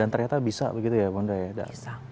dan ternyata bisa begitu ya bunda ya